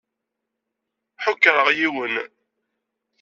Ḥukṛeɣ yiwen.